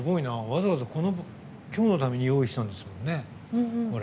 わざわざ今日のために用意したんですもんね。